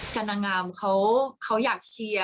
นางงามเขาอยากเชียร์